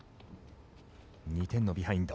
２点のビハインド。